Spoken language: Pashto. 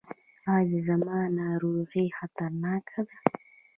ایا زما ناروغي خطرناکه ده؟